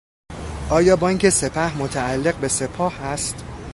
آیا بانک سپه متعلق به سپاه است؟